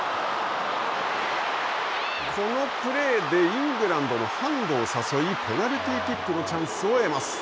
このプレーでイングランドのハンドを誘いペナルティーキックのチャンスを得ます。